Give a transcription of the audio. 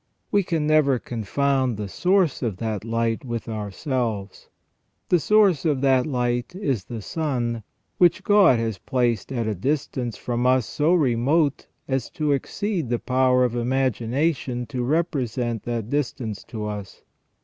We can never confound the source of that light with ourselves. The source of that liglit is the sun, which God has placed at a distance from us so remote as to exceed the power of imagination to' represent that distance to us.